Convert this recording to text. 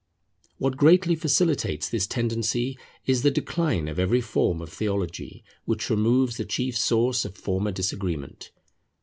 What greatly facilitates this tendency is the decline of every form of theology, which removes the chief source of former disagreement.